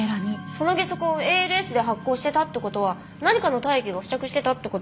そのゲソ痕ＡＬＳで発光してたって事は何かの体液が付着してたって事ですよね？